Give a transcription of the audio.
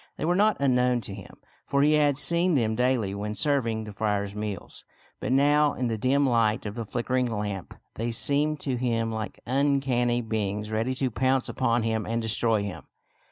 They were not unknown to him, for he had seen them daily when serving the friar's meals ; but now in the dim light of the flickering lamp they seemed to him like uncanny beings ready to pounce upon him and destroy him.